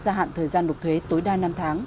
gia hạn thời gian nộp thuế tối đa năm tháng